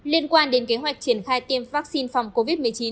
liên quan đến kế hoạch triển khai tiêm vaccine phòng covid một mươi chín